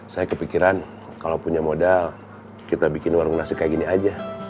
saya kepikiran kalau punya modal kita bikin warung nasi kayak gini aja